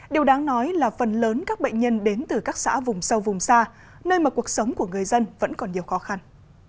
điều đáng nói là phần lớn các bệnh nhân đến từ các xã vùng sâu vùng xa nơi mà cuộc sống của người dân vẫn còn nhiều khó khăn